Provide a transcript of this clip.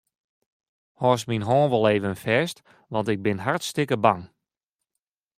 Hâldst myn hân wol even fêst, want ik bin hartstikke bang.